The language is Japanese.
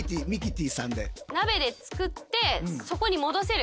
「鍋で作ってそこに戻せる」？